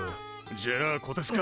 じゃあこてつか！